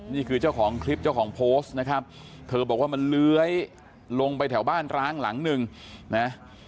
นี่คือเจ้าของคลิปเจ้าของโพสต์นะครับเธอบอกว่ามันเลื้อยลงไปแถวบ้านร้างหลังหนึ่งนะ